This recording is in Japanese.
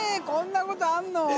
こんなことあんの？